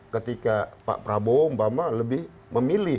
ketika pak prabowo umpama lebih memilih